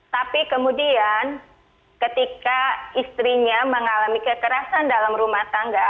tapi kemudian ketika istrinya mengalami kekerasan dalam rumah tangga